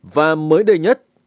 và mới đây nhất